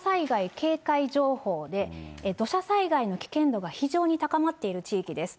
こちらは土砂災害警戒情報で、土砂災害の危険度が非常に高まっている地域です。